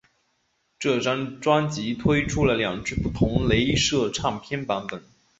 这张专辑推出了两只不同雷射唱片版本。